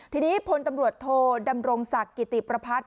ทีนี้พลตำรวจโทดำรงศักดิ์กิติประพัฒน์